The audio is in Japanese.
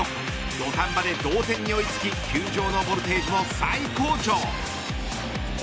登壇場で同点に追いつき球場のボルテージも最高潮。